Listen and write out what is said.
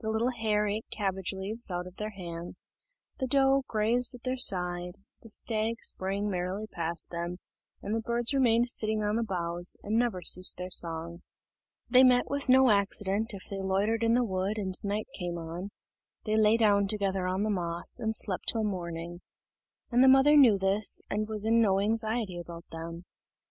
The little hare ate cabbage leaves out of their hands, the doe grazed at their side, the stag sprang merrily past them, and the birds remained sitting on the boughs, and never ceased their songs. They met with no accident if they loitered in the wood and right came on; they lay down together on the moss, and slept till morning; and the mother knew this, and was in no anxiety about them.